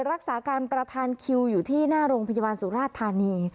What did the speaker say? รักษาการประธานคิวอยู่ที่หน้าโรงพยาบาลสุราชธานี